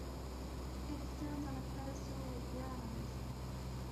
It stands on a pedestal of granite.